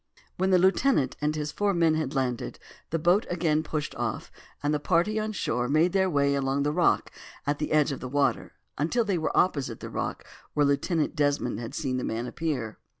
When the lieutenant and his four men had landed, the boat again pushed off, and the party on shore made their way along over the rocks at the edge of the water, until they were opposite the rock where Lieutenant Desmond had seen the man appear.